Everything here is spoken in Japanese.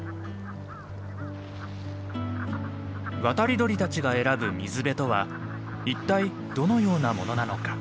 渡り鳥たちが選ぶ水辺とは一体どのようなものなのか。